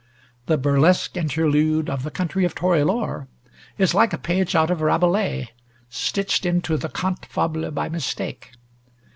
The burlesque interlude of the country of Torelore is like a page out of Rabelais, stitched into the cante fable by mistake.